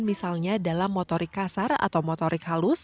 misalnya dalam motorik kasar atau motorik halus